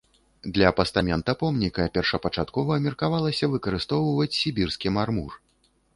Для пастамента помніка першапачаткова меркавалася выкарыстоўваць сібірскі мармур.